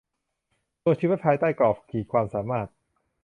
ตัวชี้วัดภายใต้กรอบขีดความสามารถ